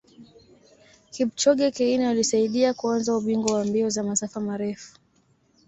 Kipchoge Keino alisaidia kuanza ubingwa wa mbio za masafa marefu